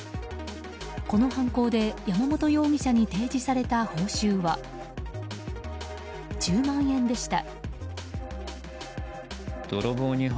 この犯行で山本容疑者に提示された報酬は１０万円でした。